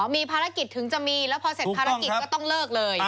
มีภารกิจถึงจะมีแล้วพอเสร็จภารกิจก็ต้องเลิกเลย